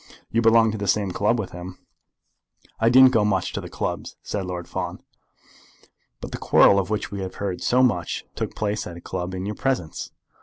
You belonged to the same club with him." "I don't go much to the clubs," said Lord Fawn. "But the quarrel of which we have heard so much took place at a club in your presence?"